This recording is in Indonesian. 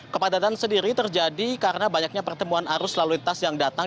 kepadatan sendiri terjadi karena banyaknya pertemuan arus lalu lintas yang datang